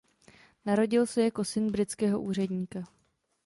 Narodil se jako syn britského úředníka.